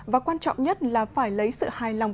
và quan trọng nhất là phải lấy sự hài lòng của các nhà nước